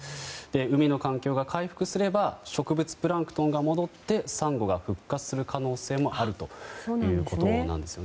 海の環境が回復すれば植物プランクトンが戻ってサンゴが復活する可能性もあるということです。